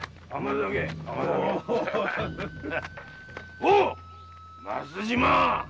おぉ増島！